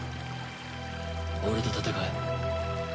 俺と戦え。